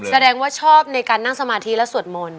แสดงว่าชอบในการนั่งสมาธิและสวดมนต์